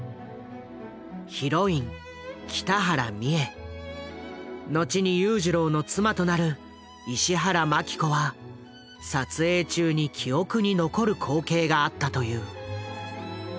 ヒロイン北原三枝後に裕次郎の妻となる石原まき子は撮影中に記憶に残る光景があったという。